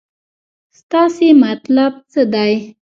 ستاسې مطلب څه دی.